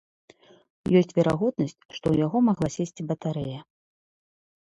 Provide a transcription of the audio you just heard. Ёсць верагоднасць, што ў яго магла сесці батарэя.